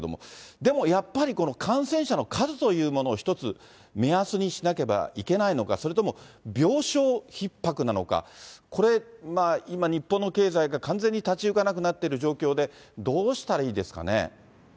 でもやっぱり、この感染者の数というものを一つ、目安にしなければいけないのか、それとも病床ひっ迫なのか、これ、今、日本の経済が完全に立ち行かなくなっている状況で、どうしたらいいですかね。